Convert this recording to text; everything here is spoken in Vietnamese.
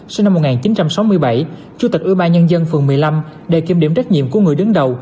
sau năm một nghìn chín trăm sáu mươi bảy chủ tịch ủy ba nhân dân phường một mươi năm đề kiểm điểm trách nhiệm của người đứng đầu